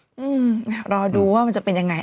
อืมรอดูว่ามันจะเป็นยังไง